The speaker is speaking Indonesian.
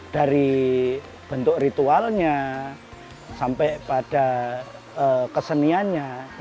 dari bentuk ritualnya sampai pada keseniannya